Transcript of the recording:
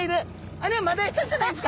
あれはマダイちゃんじゃないですか？